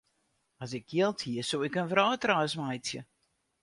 As ik jild hie, soe ik in wrâldreis meitsje.